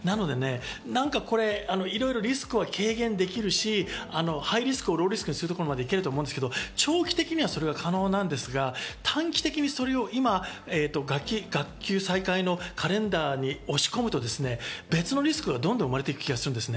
なのでリスクを軽減できるし、ハイリスクをローリスクにするところまで行けると思いますけど、長期的にはそれは可能ですが、短期的にそれを今、学級再開のカレンダーに押し込むと、別のリスクがどんどん生まれていく気がします。